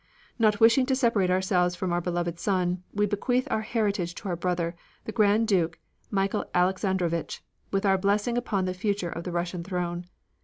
Not wishing to separate ourselves from our beloved son, we bequeath our heritage to our brother, the Grand Duke Michael Alexandrovitch, with our blessing upon the future of the Russian throne.